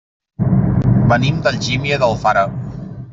Venim d'Algímia d'Alfara.